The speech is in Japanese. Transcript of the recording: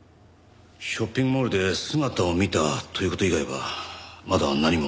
ショッピングモールで姿を見たという事以外はまだ何も。